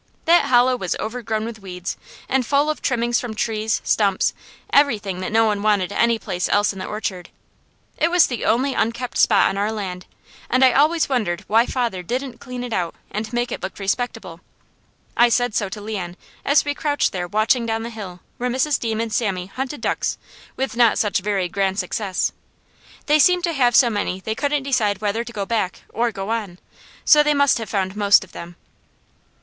That hollow was overgrown with weeds, and full of trimmings from trees, stumps, everything that no one wanted any place else in the orchard. It was the only unkept spot on our land, and I always wondered why father didn't clean it out and make it look respectable. I said so to Leon as we crouched there watching down the hill where Mrs. Deam and Sammy hunted ducks with not such very grand success. They seemed to have so many they couldn't decide whether to go back or go on, so they must have found most of them.